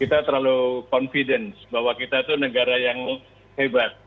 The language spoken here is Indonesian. kita terlalu confidence bahwa kita itu negara yang hebat